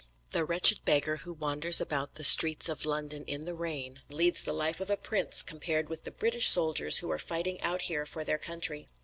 The wretched beggar who wanders about the streets of London in the rain, leads the life of a prince, compared with the British soldiers who are fighting out here for their country.